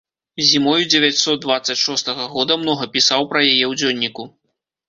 Зімою дзевяцьсот дваццаць шостага года многа пісаў пра яе ў дзённіку.